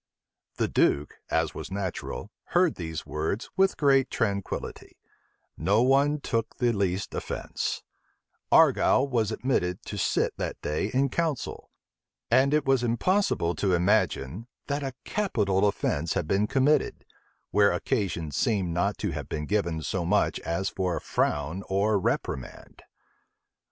The duke, as was natural, heard these words with great tranquillity: no one took the least offence: Argyle was admitted to sit that day in council: and it was impossible to imagine, that a capital offence had been committed, where occasion seemed not to have been given so much as for a frown or reprimand.